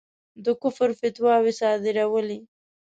د کُفر فتواوې صادرولې.